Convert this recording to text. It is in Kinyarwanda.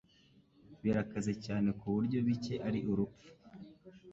Birakaze cyane kuburyo bike ari urupfu